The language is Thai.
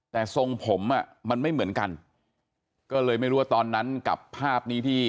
แต่ทรงผมอ่ะมันไม่เหมือนกันก็เลยไม่รู้ว่าตอนนั้นกับภาพนี้ที่